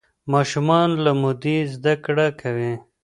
ماشومان له مودې زده کړه کوي.